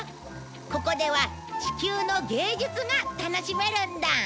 ここでは地球の芸術が楽しめるんだ。